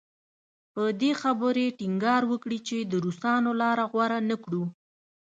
پر دې خبرې ټینګار وکړي چې د روسانو لاره غوره نه کړو.